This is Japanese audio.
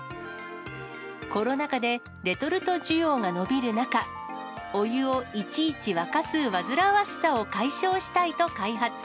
コロナ禍でレトルト需要が伸びる中、お湯をいちいち沸かす煩わしさを解消したいと開発。